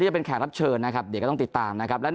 จะเป็นแขกรับเชิญนะครับเดี๋ยวก็ต้องติดตามนะครับ